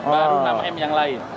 baru enam m yang lain